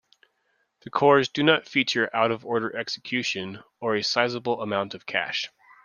The cores do not feature out-of-order execution, or a sizable amount of cache.